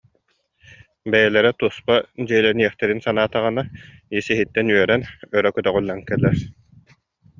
Бэйэлэрэ туспа дьиэлэниэхтэрин санаатаҕына, ис-иһиттэн үөрэн, өрө көтөҕүллэн кэлэр